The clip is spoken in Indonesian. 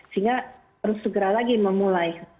sehingga harus segera lagi memulai